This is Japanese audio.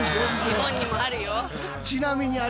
日本にもあるよ。